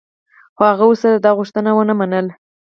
خو هغه ورسره دا غوښتنه و نه منله.